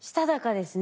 ですね。